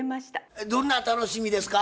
えっどんな楽しみですか？